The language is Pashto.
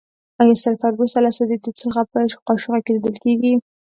آیا سلفر وروسته له سوځیدو څخه په قاشوغه کې لیدل کیږي؟